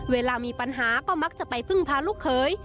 เวลามีปัญหาก็มักจะไปพึ่งพาลูกเขย